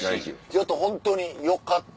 ちょっとホントによかった。